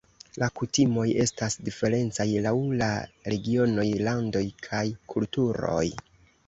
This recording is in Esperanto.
La kutimoj estas diferencaj laŭ la regionoj, landoj kaj kulturoj.